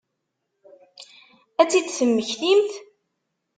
Ad tt-id-temmektimt?